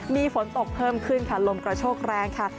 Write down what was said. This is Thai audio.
มีฝนตกเพิ่มขึ้นค่ะลมกระโชกแรงค่ะ